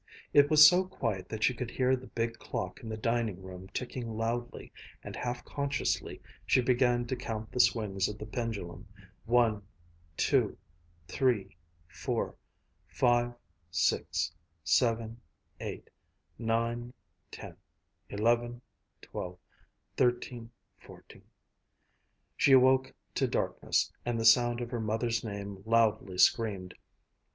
It was so quiet that she could hear the big clock in the dining room ticking loudly, and half consciously she began to count the swings of the pendulum: One two three four five six seven eight nine ten eleven twelve thirteen fourteen She awoke to darkness and the sound of her mother's name loudly screamed.